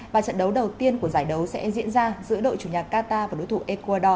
và trận đấu đầu tiên của giải đấu sẽ diễn ra giữa đội chủ nhà qatar và đối thủ ecuador